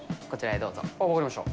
分かりました。